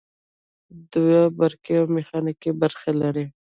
دوی برقي او میخانیکي برخې لري.